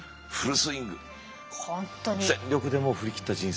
全力で振り切った人生！